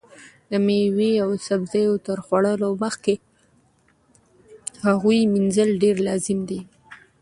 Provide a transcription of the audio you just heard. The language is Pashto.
د مېوې او سبزیو تر خوړلو مخکې د هغو مینځل ډېر لازمي دي.